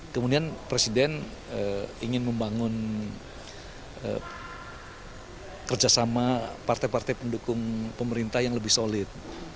kemudian presiden ingin membangun kerjasama partai partai pendukung pemerintah yang lebih solid